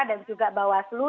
dan juga bawaslu